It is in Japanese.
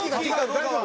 大丈夫？